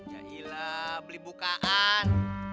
yailah beli bukaan